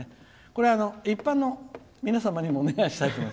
これは一般の皆様にもお願いしたいと。